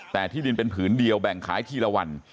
แต่ที่ดินเป็นผืนเดียวแบ่งขายทีละวัน